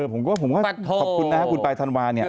ผมก็ขอบคุณนะครับคุณปลายธันวาเนี่ย